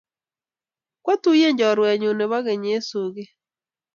Kwa tuyen chorwennyu nepo keny eng' soget.